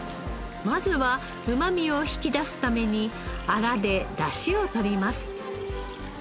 まずはうまみを引き出すためにアラで出汁を取ります。